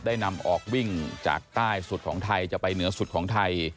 ได้นำออกวิ่งจากใต้สุดของไทยจะไปเหนือสุดของไทย